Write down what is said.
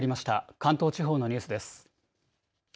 関東地方のニュースです。